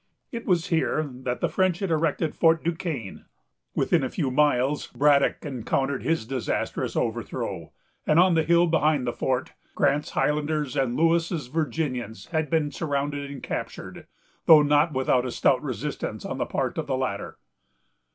It was here that the French had erected Fort du Quesne. Within a few miles, Braddock encountered his disastrous overthrow; and on the hill behind the fort, Grant's Highlanders and Lewis's Virginians had been surrounded and captured, though not without a stout resistance on the part of the latter.